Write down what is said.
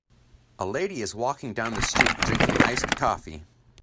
A lady is walking down the street drinking iced coffee.